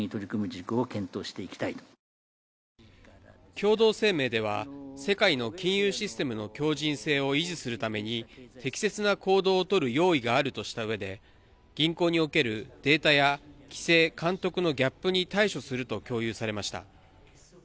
共同声明では、世界の金融システムの強じん性を維持するために適切な行動をとる用意があるとしたうえで銀行におけるデータや規制・監督のギャップに対処すると共有されました。